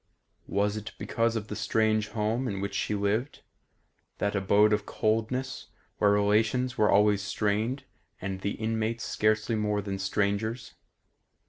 Was it because of the strange home in which she lived; that abode of coldness where relations were always strained and the inmates scarcely more than strangers?